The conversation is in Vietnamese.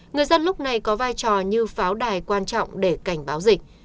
người dân lúc này có vai trò như pháo đài quan trọng để cảnh báo dịch